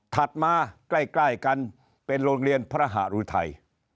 มาใกล้กันเป็นโรงเรียนพระหารุทัย